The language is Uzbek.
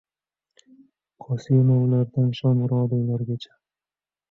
Qosimovlardan Shomurodovlargacha